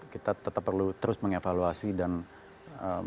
kita tetap perlu terus mengevaluasi dan mengevaluasi